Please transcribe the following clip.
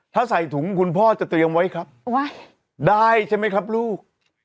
ถ้าใส่ถุงคุณพ่อจะเตรียมไว้ครับได้ใช่ไหมครับลูก